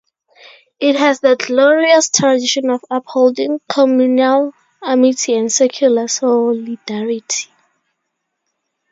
It has the glorious tradition of upholding communal amity and secular solidarity.